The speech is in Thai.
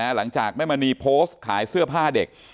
หลังจากแม่มณีโพสต์ขายเสื้อผ้าเด็ก